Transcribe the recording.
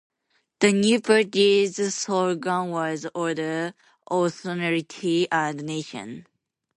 The new party's slogan was "Order, Authority and Nation".